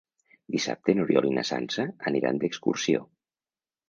Dissabte n'Oriol i na Sança aniran d'excursió.